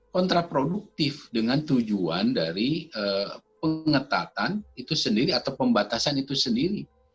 kontraproduktif dengan tujuan dari pengetatan itu sendiri atau pembatasan itu sendiri